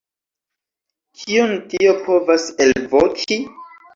Kion tio povas elvoki?